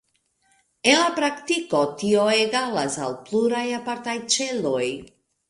En la praktiko, tio egalas al pluraj apartaj ĉeloj.